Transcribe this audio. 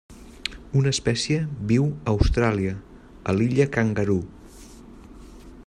Una espècie viu a Austràlia, a l'Illa Kangaroo.